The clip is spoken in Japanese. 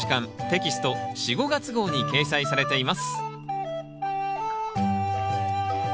テキスト４・５月号に掲載されています